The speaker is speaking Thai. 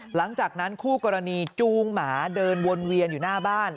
หลังจากนั้นคู่กรณีจูงหมาเดินวนเวียนอยู่หน้าบ้าน